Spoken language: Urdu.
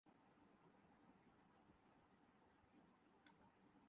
دانشور فنکار